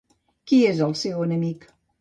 Qui és el seu enemic?